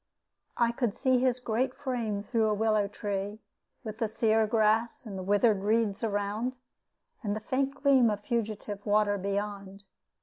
I could see his great frame through a willow tree, with the sere grass and withered reeds around, and the faint gleam of fugitive water beyond.